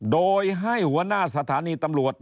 โดยให้หัวหน้าสถานีตำรวจ